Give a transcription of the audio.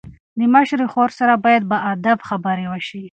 د مشرې خور سره باید په ادب خبرې وشي.